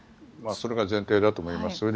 それが前提だと思います。